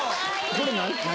これ何？